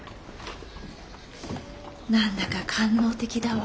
何だか官能的だわ。